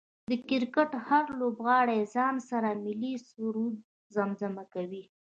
د کرکټ هر لوبغاړی ځان سره ملي سرود زمزمه کوي